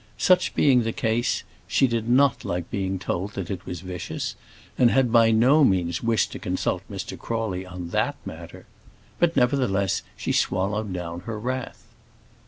Such being the case, she did not like being told that it was vicious, and had by no means wished to consult Mr. Crawley on that matter. But nevertheless, she swallowed down her wrath.